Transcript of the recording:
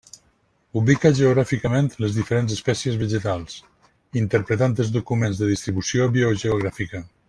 Ubica geogràficament les diferents espècies vegetals, interpretant els documents de distribució biogeogràfica.